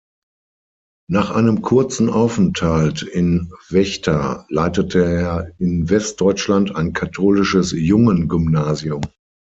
Nach einem kurzen Aufenthalt in Vechta leitete er in Westdeutschland ein katholisches Jungengymnasium.